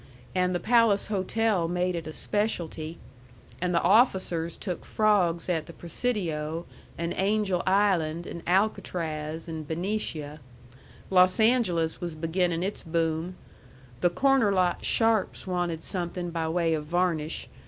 And the Palace Hotel made it a specialty. And the officers took frawgs at the Presidio, an' Angel Island, an' Alcatraz, an' Benicia. Los Angeles was beginnin' its boom. The corner lot sharps wanted something by way of varnish.